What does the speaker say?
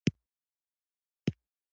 فاریاب د افغانستان د پوهنې نصاب کې شامل دي.